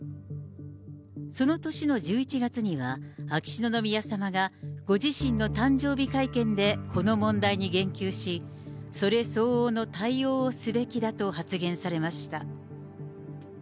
その年の１１月には、秋篠宮さまがご自身の誕生日会見でこの問題に言及し、それ相応の対応をすべきだと発言されました。